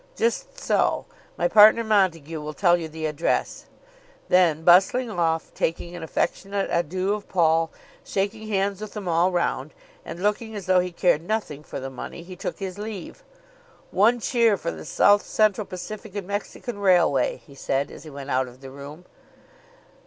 "Just so. My partner, Montague, will tell you the address." Then bustling off, taking an affectionate adieu of Paul, shaking hands with them all round, and looking as though he cared nothing for the money, he took his leave. "One cheer for the South Central Pacific and Mexican Railway," he said as he went out of the room.